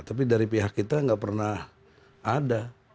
tapi dari pihak kita nggak pernah ada